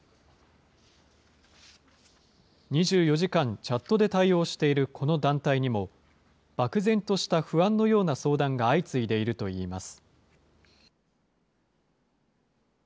２４時間チャットで対応しているこの団体にも、漠然とした不安のような相談が相次いでいるといいます。